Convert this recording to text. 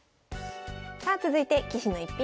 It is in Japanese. さあ続いて「棋士の逸品」